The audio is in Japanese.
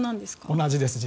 同じです。